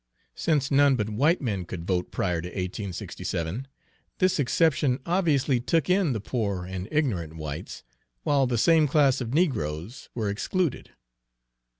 Since none but white men could vote prior to 1867, this exception obviously took in the poor and ignorant whites, while the same class of negroes were excluded.